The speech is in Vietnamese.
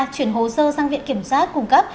chuyển hồ sơ sang viện kiểm soát cung cấp